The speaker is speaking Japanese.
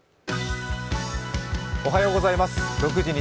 おはようございます。